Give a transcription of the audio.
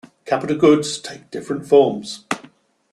Capital goods take different forms.